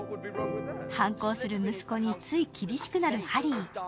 反抗する息子につい厳しくなるハリー。